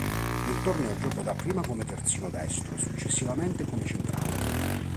Nel torneo giocò dapprima come terzino destro e successivamente come centrale.